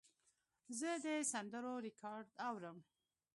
زه د سندرو ریکارډ اورم.